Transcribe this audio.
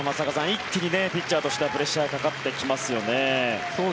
一気にピッチャーとしてはプレッシャーがかかってきますよね。